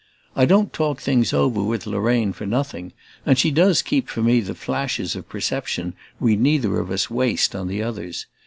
I don't talk things over with Lorraine for nothing, and she does keep for me the flashes of perception we neither of us waste on the others.